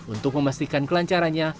untuk memastikan kelancarannya